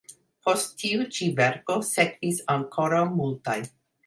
Post tiu ĉi verko sekvis ankoraŭ multaj.